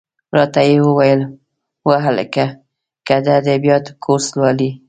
را ته یې وویل: وهلکه! که د ادبیاتو کورس لولې.